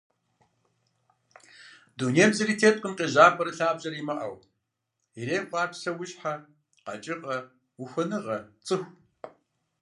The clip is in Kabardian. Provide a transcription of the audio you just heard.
Дунейм зыри теткъым къежьапӏэрэ лъабжьэрэ имыӏэу, ирехъу ар псэущхьэ, къэкӏыгъэ, ухуэныгъэ, цӏыху.